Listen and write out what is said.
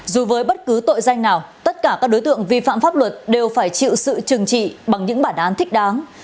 dù với bất cứ tội danh nào tất cả các đối tượng vi phạm pháp luật đều phải chịu sự trừng trị bằng những bản án thích đáng